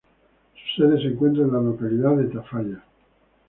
Su sede se encuentra en la localidad de Tafalla.